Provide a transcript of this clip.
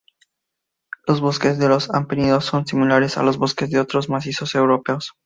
Los bosques de los Apeninos son similares a los bosques de otros macizos europeos.